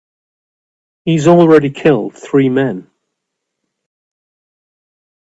He's already killed three men.